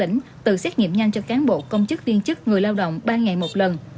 tỉnh tự xét nghiệm nhanh cho cán bộ công chức viên chức người lao động ba ngày một lần